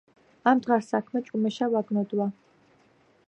ამდღარ საქმე ჭუმეშა ვაგნოდვავ